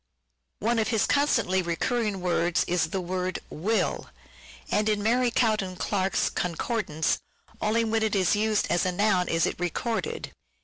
One of his constantly recurring words is the word " will," and in Mary Cowden Clarke's concordance only when it is used as a noun is it recorded.